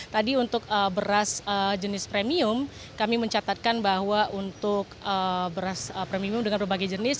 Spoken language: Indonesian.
tadi untuk beras jenis premium kami mencatatkan bahwa untuk beras premium dengan berbagai jenis